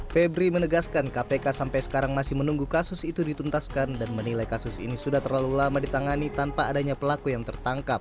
febri menegaskan kpk sampai sekarang masih menunggu kasus itu dituntaskan dan menilai kasus ini sudah terlalu lama ditangani tanpa adanya pelaku yang tertangkap